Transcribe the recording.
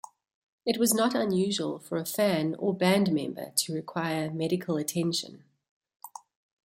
It was not unusual for a fan or band member to require medical attention.